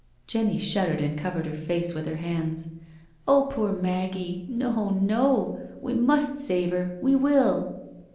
Jenny shuddered and covered her face with her hands, "Oh, poor Maggie I No, no. We must save 'er— we will."